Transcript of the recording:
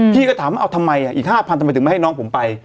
พี่ก็ถามว่าเอาทำไมอีก๕๐๐ทำไมถึงไม่ให้น้องผมไป